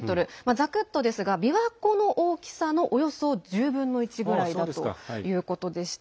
ざくっとですが琵琶湖の大きさのおよそ１０分の１ぐらいだということでした。